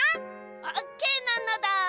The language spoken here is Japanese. オーケーなのだ。